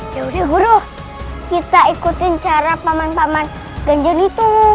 ya udah guru kita ikutin cara paman paman ganjar itu